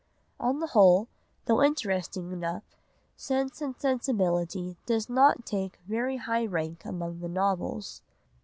On the whole, though interesting enough, Sense and Sensibility does not take very high rank among the novels.